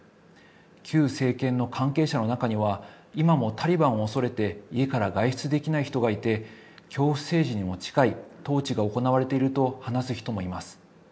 旧政権の関係者の中には、今もタリバンを恐れて、家から外出できない人がいて、恐怖政治にも近い統治が行われていると話す人もいます。